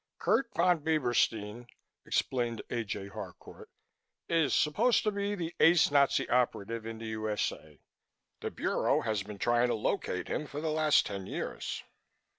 "Kurt Von Bieberstein," explained A. J. Harcourt, "is supposed to be the ace Nazi Operative in the U.S.A. The Bureau has been trying to locate him for the last ten years.